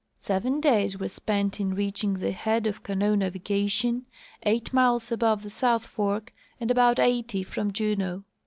Seven days were spent in reaching the head of canoe navigation, eight miles above the South fork and about eighty from Juneau.